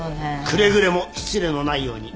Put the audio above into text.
くれぐれも失礼のないように。